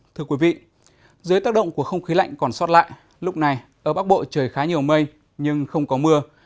thưa quý vị dưới tác động của không khí lạnh còn sót lại lúc này ở bắc bộ trời khá nhiều mây nhưng không có mưa